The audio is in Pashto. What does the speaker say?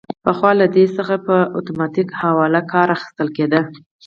پخوا له دې څخه په اتوماتیک حواله کار اخیستل کیده.